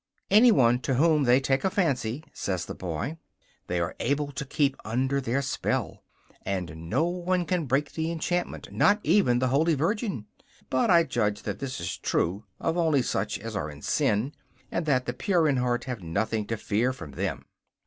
Anyone to whom they take a fancy, says the boy, they are able to keep under their spell, and no one can break the enchantment, not even the Holy Virgin. But I judge that this is true of only such as are in sin, and that the pure in heart have nothing to fear from them.